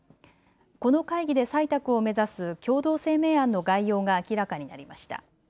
この会議で採択を目指す共同声明案の概要が明らかになりました。